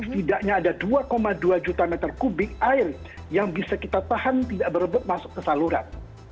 setidaknya ada dua dua juta meter kubik air yang bisa kita tahan tidak berebut masuk ke saluran